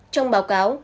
trong báo cáo